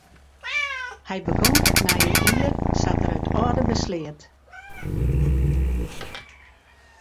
Hy begûn it nije jier sa't er it âlde besleat.